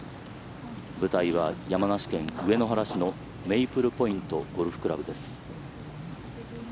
舞台は山梨県上野原市のメイプルポイントゴルフクラブ。